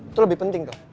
itu lebih penting tuh